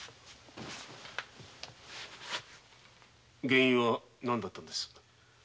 原因は何だったのです？